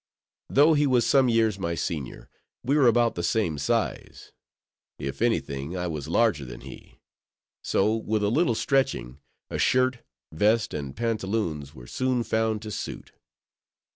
Though he was some years my senior, we were about the same size—if any thing, I was larger than he; so, with a little stretching, a shirt, vest, and pantaloons were soon found to suit.